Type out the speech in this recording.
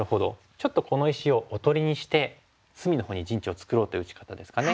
ちょっとこの石をおとりにして隅のほうに陣地を作ろうという打ち方ですかね。